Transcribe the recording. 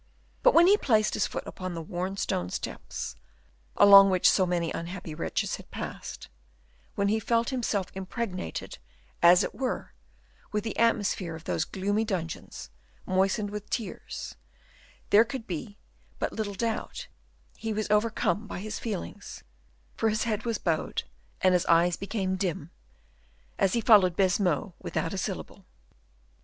But when he placed his foot upon the worn stone steps, along which so many unhappy wretches had passed, when he felt himself impregnated, as it were, with the atmosphere of those gloomy dungeons, moistened with tears, there could be but little doubt he was overcome by his feelings, for his head was bowed and his eyes became dim, as he followed Baisemeaux without a syllable.